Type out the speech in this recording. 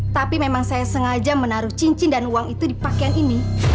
tapi memang saya sengaja menaruh cincin dan uang itu di pakaian ini